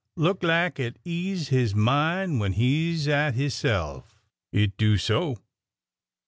Look lak it ease his min' when he 's at hisself. It do so